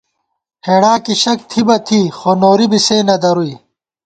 ہېڑا کی شَک تھِی بہ تھی، خو نوری بی سے نہ درُوئی